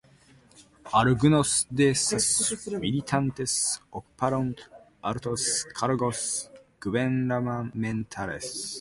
Algunos de sus militantes ocuparon altos cargos gubernamentales.